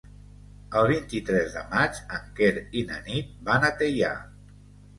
El vint-i-tres de maig en Quer i na Nit van a Teià.